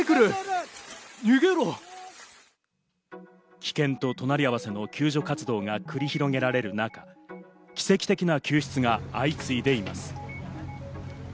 危険と隣り合わせの救助活動が繰り広げられる中、奇跡的な救出が相次いでいます。